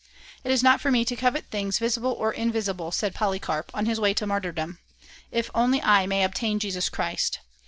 "It is not for me to covet things visible or invisible," said Polycarp, on his way to martyrdom, "if only I may obtain Jesus Christ.